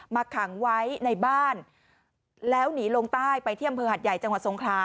ขังไว้ในบ้านแล้วหนีลงใต้ไปที่อำเภอหัดใหญ่จังหวัดสงครา